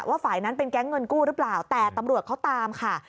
ฝ่ายนั้นเป็นแก๊งเงินกู้หรือเปล่าแต่ตำรวจเขาตามค่ะ